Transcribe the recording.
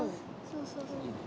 そうそう。